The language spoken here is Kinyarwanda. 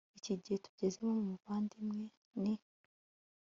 iki gihe tugezemo, muvandimwe ni